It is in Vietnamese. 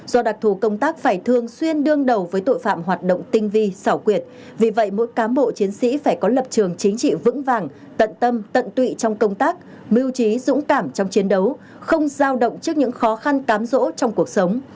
do đặc thù công tác phải thường xuyên đương đầu với tội phạm hoạt động tinh vi xảo quyệt vì vậy mỗi cán bộ chiến sĩ phải có lập trường chính trị vững vàng tận tâm tận tụy trong công tác mưu trí dũng cảm trong chiến đấu không giao động trước những khó khăn tám rỗ trong cuộc sống